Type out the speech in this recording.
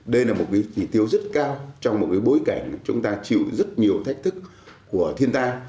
đây là một kỳ thiếu rất cao trong một bối cảnh chúng ta chịu rất nhiều thách thức của thiên ta